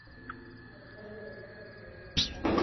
Wakazi wa visiwa ni raia wa Ufaransa.